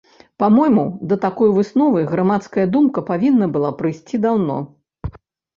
Па-мойму, да такой высновы грамадская думка павінна была прыйсці даўно.